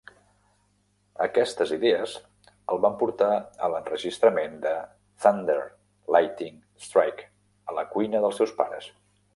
Aquestes idees el van portar a l'enregistrament de "Thunder, Lightning, Strike" a la cuina dels seus pares.